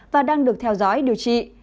và đang được theo dõi điều trị